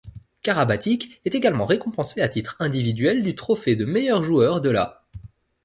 Karabatic est également récompensé à titre individuel du trophée de meilleur joueur de la.